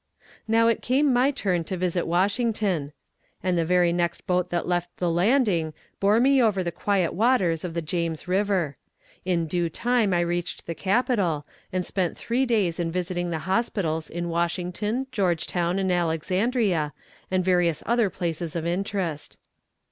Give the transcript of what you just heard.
Now it came my turn to visit Washington and the very next boat that left the landing bore me over the quiet waters of the James river. In due time I reached the Capital, and spent three days in visiting the hospitals in Washington, Georgetown and Alexandria, and various other places of interest.